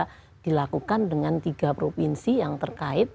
kita dilakukan dengan tiga provinsi yang terkait